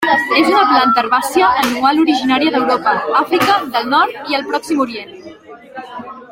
És una planta herbàcia anual originària d'Europa, Àfrica del Nord i el Pròxim Orient.